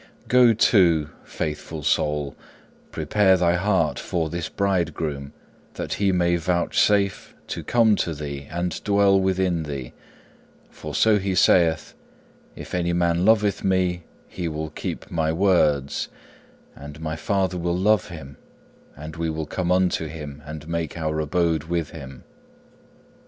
2. Go to, faithful soul, prepare thy heart for this bridegroom that he may vouchsafe to come to thee and dwell within thee, for so He saith, if any man loveth me he will keep my words: and my Father will love him, and we will come unto him and make our abode with him.